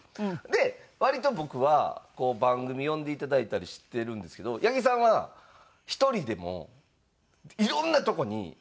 で割と僕はこう番組呼んでいただいたりしてるんですけど八木さんは１人でもいろんなとこに。